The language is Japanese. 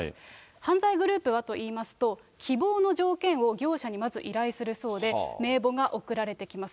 犯罪グループはといいますと、希望の条件を業者にまず依頼するそうで、名簿が送られてきます。